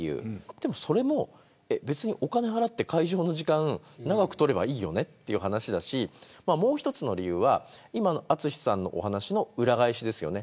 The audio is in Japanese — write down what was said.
でも、それもお金を払って会場の時間を長く取ればいいよねという話だしもう一つの理由は淳さんのお話の裏返しですよね。